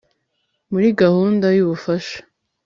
muri gahunda yu bufasha